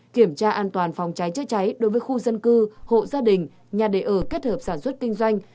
kiểm tra an toàn phòng cháy chữa cháy đối với khu dân cư hộ gia đình nhà đề ở kết hợp sản xuất kinh doanh